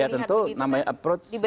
ya tentu namanya approach penting ya